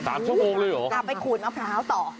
สามชั่วโมงเลยเหรอเอาไปขูดมะพร้าวต่ออ๋อ